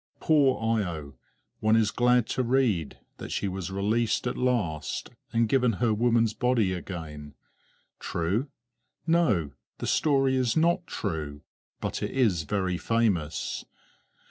Poor Io! one is glad to read that she was released at last, and given her woman's body again. True? No, the story is not true, but it is very famous.